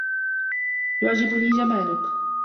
يُعْجِبُنِي جَمَالُك